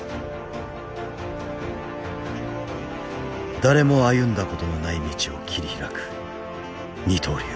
誰も歩んだことのない道を切り開く二刀流